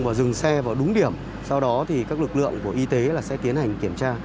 và dừng xe vào đúng điểm sau đó các lực lượng y tế sẽ tiến hành kiểm tra